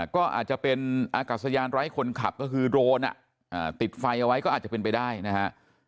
ก็อาจจะเป็นอากาศยานไร้คนขับก็คือโดรนติดไฟเอาไว้ก็อาจจะเป็นไปได้นะฮะ